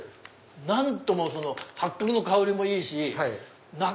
何とも八角の香りもいいし。